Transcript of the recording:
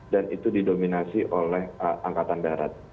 dan itu didominasi oleh angkatan barat